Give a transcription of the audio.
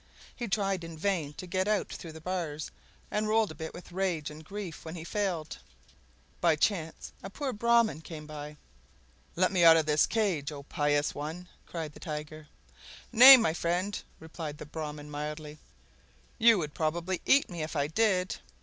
He tried in vain to get out through the bars, and rolled and bit with rage and grief when he failed. By chance a poor Brahman came by. "Let me out of this cage, oh pious one!" cried the Tiger. "Nay, my friend," replied the Brahman mildly, you would probably eat me if I did."